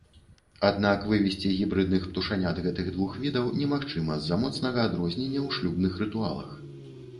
Аднак вывесці гібрыдных птушанят гэтых двух відах немагчыма з-за моцнага адрознення ў шлюбных рытуалах.